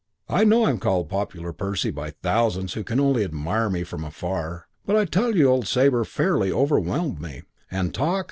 I know I'm called Popular Percy by thousands who can only admire me from afar, but I tell you old Sabre fairly overwhelmed me. And talk!